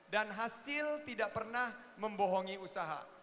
dan hasil tidak pernah membohongi usaha